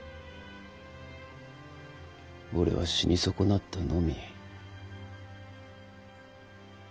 俺は死に損なったのみ。